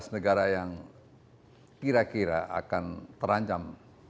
lima belas negara yang kira kira akan terancam